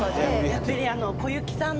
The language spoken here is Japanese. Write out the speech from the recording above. やっぱり。